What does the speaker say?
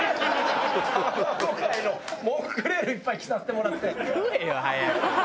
卵界のモンクレールいっぱい着させてもらって。